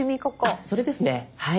あっそれですねはい。